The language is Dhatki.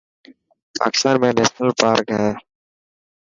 پاڪستان ۾ نيشنل پارڪ هي.